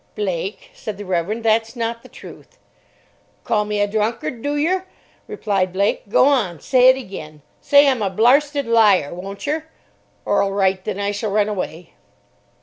"Blake," said the Reverend, "that's not the truth." "Call me a drunkard, do yer?" replied Blake. "Go on. Say it again. Say I'm a blarsted liar, won't yer? Orlright, then I shall run away."